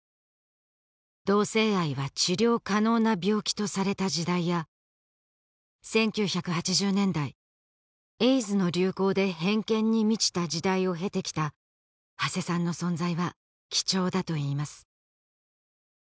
同性愛は治療可能な病気とされた時代や１９８０年代エイズの流行で偏見に満ちた時代を経てきた長谷さんの存在は貴重だといいます